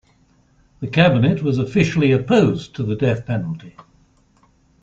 The cabinet was officially opposed to the death penalty.